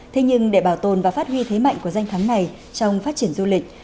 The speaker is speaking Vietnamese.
thế nhưng để bảo tồn và phát huy thế mạnh của danh thắng này trong phát triển du lịch